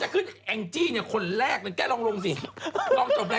เขาไปตามดูพี่หรือ